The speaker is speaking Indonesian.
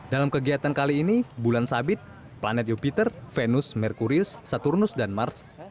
dalam kegiatan kali ini bulan sabit planet jupiter venus mercuris saturnus dan mars